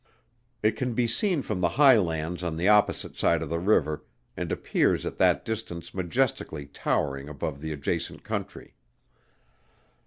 It can be seen from the high lands on the opposite side of the river, and appears at that distance majestically towering above the adjacent country.